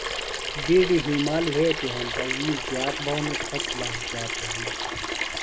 بِیڈیۡ ہیمال وھئتیۡ ہینتہ وِی زِیات بھانوۡ۔ فصلہ زِیات بھانہ۔